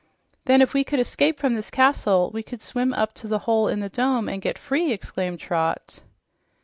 "Then if we could escape from this castle, we could swim up to the hole in the dome and get free!" exclaimed Trot.